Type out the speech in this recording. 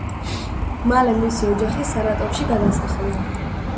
მალე მისი ოჯახი სარატოვში გადასახლდა.